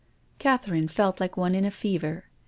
Catherine felt like one in a fever.